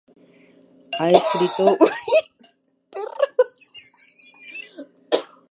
Ha escrito una gramática de referencia de la lengua italiana.